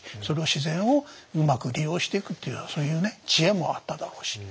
その自然をうまく利用していくっていうそういうね知恵もあっただろうし